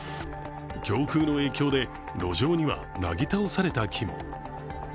強風の影響で、路上にはなぎ倒された木も。